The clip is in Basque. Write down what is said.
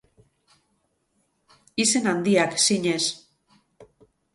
Izen handiak, zinez.